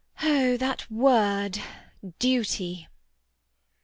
"Oh, that word Duty!"